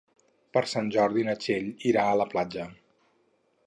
Per Sant Jordi na Txell irà a la platja.